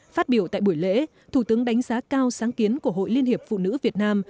phát biểu tại buổi lễ thủ tướng đánh giá cao sáng kiến của hội liên hiệp phụ nữ việt nam